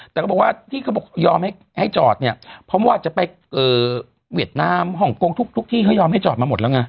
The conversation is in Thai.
แต่ก็บอกว่าที่เขาบอกยอมให้จอดเนี่ยเพราะว่าจะไปเวียดนามฮ่องกงทุกที่เขายอมให้จอดมาหมดแล้วไง